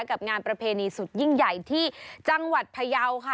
กับงานประเพณีสุดยิ่งใหญ่ที่จังหวัดพยาวค่ะ